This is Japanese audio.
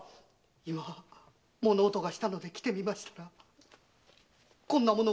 今物音がしたので来てみましたらこんな物が。